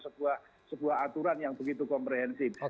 sebuah aturan yang begitu komprehensif